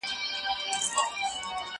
موږ چي ول بالا به باران ودريږي باره سېل راغی